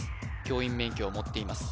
教員免許を持っています